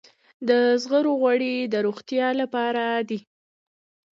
د زغرو غوړي د روغتیا لپاره دي.